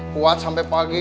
kuat sampai pagi